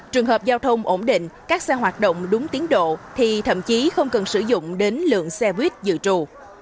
trường hợp giao thông ổn định các xe hoạt động đúng tiến độ thì thậm chí không cần sử dụng đến lượng xe buýt dự trù